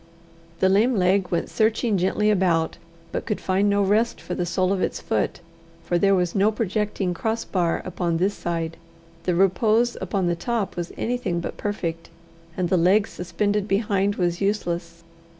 The lame leg went searching gently about, but could find no rest for the sole of its foot, for there was no projecting cross bar upon this side; the repose upon the top was anything but perfect, and the leg suspended behind was useless.